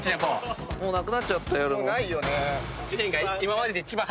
もうなくなっちゃった。